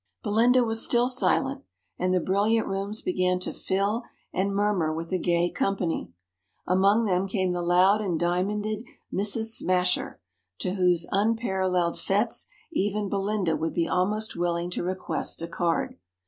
Belinda was still silent, and the brilliant rooms began to fill and murmur with a gay company. Among them came the loud and diamonded Mrs. Smasher, to whose unparalleled fêtes even Belinda would be almost willing to request a card.